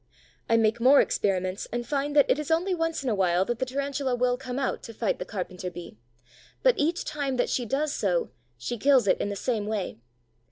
I make more experiments and find that it is only once in a while that the Tarantula will come out to fight the Carpenter bee, but each time that she does so she kills it in the same way.